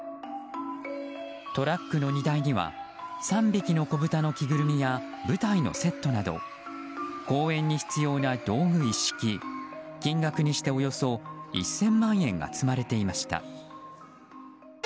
トラックの荷台には「三びきのこぶた」の着ぐるみや舞台のセットなど公演に必要な道具一式金額にしておよそ１０００万円が積まれていました。